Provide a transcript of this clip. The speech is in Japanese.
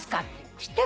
知ってる？